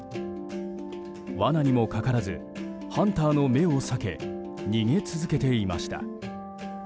罠にもかからずハンターの目を避け逃げ続けていました。